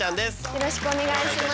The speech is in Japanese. よろしくお願いします。